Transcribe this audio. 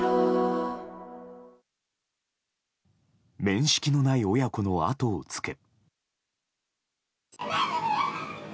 面識のない親子のあとをつけ。